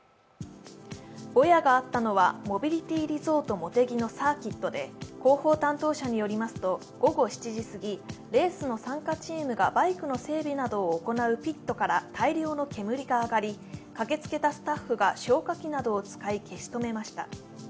ぼやがあったのは、モビリティリゾートもてぎのサーキットで広報担当者によりますと、午後７時すぎレースの参加チームがバイクの整備などを行うピットから大量の煙が上がり、駆けつけたスタッフが消火器などを使い消し止めました。